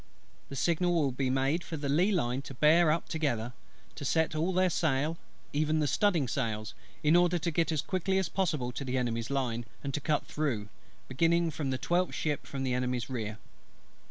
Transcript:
The signal will be made for the lee line to bear up together; to set all their sail, even studding sails, in order to get as quickly as possible to the Enemy's line; and to cut through, beginning from the twelfth ship from the Enemy's rear.